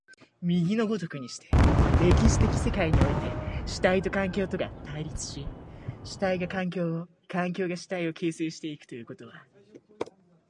右の如くにして、歴史的世界において、主体と環境とが対立し、主体が環境を、環境が主体を形成し行くということは、